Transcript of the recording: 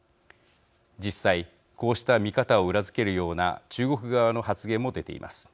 実際こうした見方を裏付けるような中国側の発言も出ています。